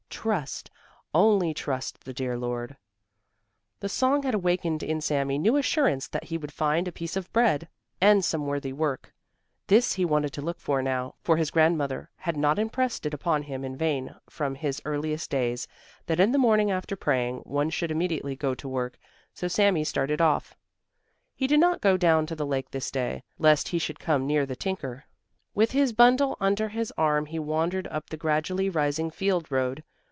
Trust! Only trust the dear Lord!" The song had awakened in Sami new assurance that he would find a piece of bread and some worthy work. This he wanted to look for now, for his grandmother had not impressed it upon him in vain from his earliest days, that in the morning after praying one should immediately go to work. So Sami started off. He did not go down to the Lake this day, lest he should come near the tinker. With his bundle under his arm he wandered up the gradually rising field road.